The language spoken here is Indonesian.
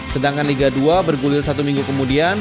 sedangkan liga dua bergulir satu minggu kemudian